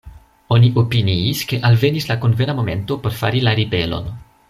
Oni opiniis, ke alvenis la konvena momento por fari la ribelon.